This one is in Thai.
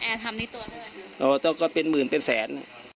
เออกะเป็นหมื่นเป็นแสน